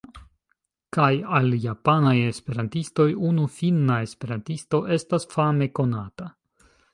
Kaj al japanaj esperantistoj, unu finna esperantisto estas fame konata.